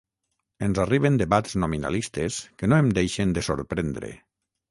Ens arriben debats nominalistes que no em deixen de sorprendre.